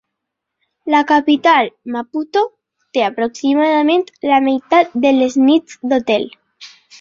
La capital Maputo té aproximadament la meitat de les nits d'hotel.